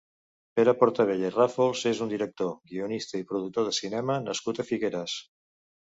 Pere Portabella i Ràfols és un director, guionista i productor de cinema nascut a Figueres.